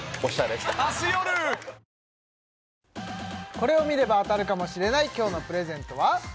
これを見れば当たるかもしれない今日のプレゼントは？